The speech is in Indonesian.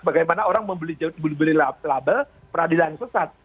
bagaimana orang membeli label peradilan sesat